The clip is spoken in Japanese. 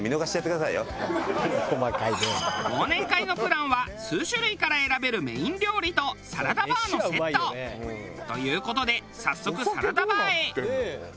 忘年会のプランは数種類から選べるメイン料理とサラダバーのセット。という事で早速サラダバーへ。